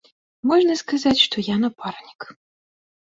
Можна сказаць, што я напарнік.